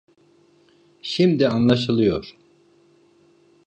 Şimdi anlaşılıyor.